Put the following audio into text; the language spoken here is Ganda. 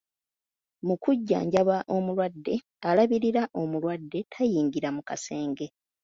Mu kujjanjaba omulwadde, alabirira omulwadde tayingira mu kasenge.